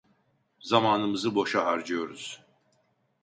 Zamanımızı boşa harcıyoruz.